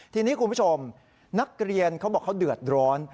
ทีนี้คุณผู้ชมนักเรียนเขาบอกเขาเดือดร้อน